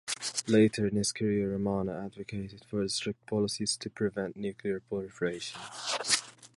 Later in his career, Ramanna advocated for the strict policies to prevent nuclear proliferation.